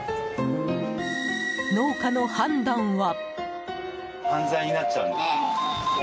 農家の判断は。